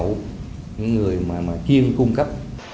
những người mà chuyên cung cấp